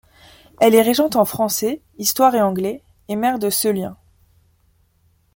Elle est régente en français, histoire et anglais et mère de Celien.